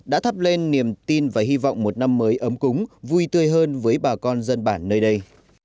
đã thắp lên niềm tin và hy vọng một năm mới ấm cúng vui tươi hơn với bà con dân bản nơi đây